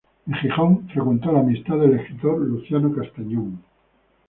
En Gijón, frecuentó la amistad del escritor Luciano Castañón.